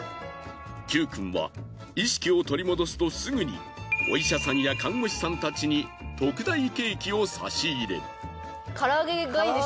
キュウくんは意識を取り戻すとすぐにお医者さんや看護師さんたちに特大ケーキを差し入れ。